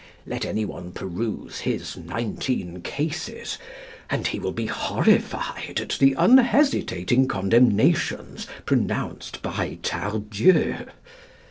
Let anyone peruse his 19 cases, and he will be horrified at the unhesitating condemnations pronounced by Tardieu."